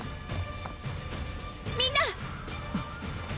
みんな！